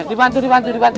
dipantu dipantu dipantu